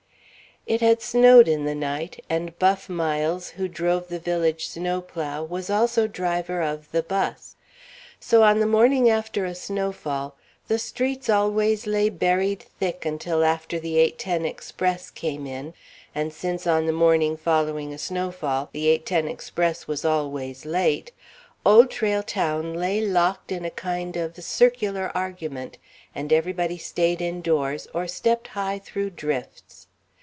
It had snowed in the night, and Buff Miles, who drove the village snowplow, was also driver of "the 'bus." So on the morning after a snowfall, the streets always lay buried thick until after the 8.10 Express came in; and since on the morning following a snowfall the 8.10 Express was always late, Old Trail Town lay locked in a kind of circular argument, and everybody stayed indoors or stepped high through drifts.